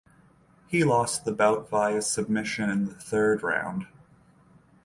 He lost the bout via submission in the third round.